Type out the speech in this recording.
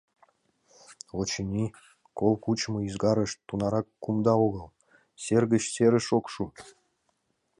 Очыни, кол кучымо ӱзгарышт тунарак кумда огыл, сер гыч серыш ок шу.